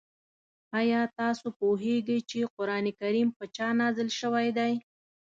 آیا تاسو پوهېږئ چې قرآن کریم په چا نازل شوی دی؟